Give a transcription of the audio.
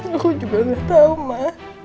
aku juga gak tau ma